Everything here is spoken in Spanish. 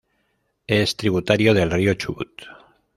Es tributario del río Chubut.